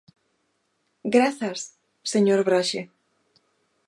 Grazas, señor Braxe.